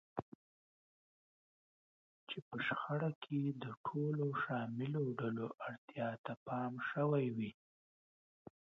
چې په شخړه کې د ټولو شاملو ډلو اړتیا ته پام شوی وي.